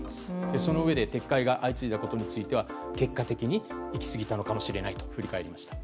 そのうえで撤回が相次いだことについては結果的に行き過ぎたのかもしれないと振り返りました。